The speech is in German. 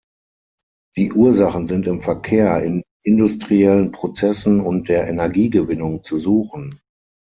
Die Ursachen sind im Verkehr, in industriellen Prozessen und der Energiegewinnung zu suchen.